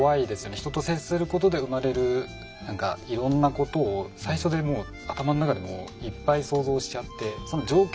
人と接することで生まれる何かいろんなことを最初でもう頭の中でいっぱい想像しちゃって。